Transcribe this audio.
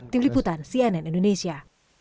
tim liputan cnn indonesia